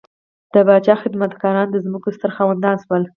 د پاچا خدمتګاران د ځمکو ستر خاوندان شول.